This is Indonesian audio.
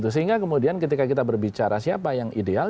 sehingga kemudian ketika kita berbicara siapa yang ideal